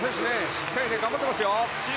しっかり頑張っていますよ。